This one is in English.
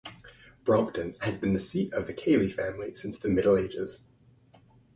Brompton has been the seat of the Cayley family since the Middle Ages.